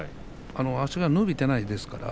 足が伸びていないですから。